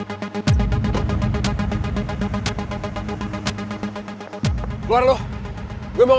urusan gue masih banyak